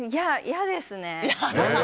嫌ですね。